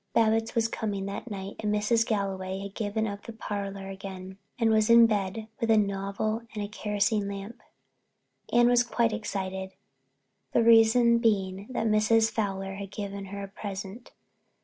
Babbitts was coming that night and Mrs. Galway had given up the parlor again and was in bed with a novel and a kerosene lamp. Anne was quite excited, the reason being that Mrs. Fowler had given her a present.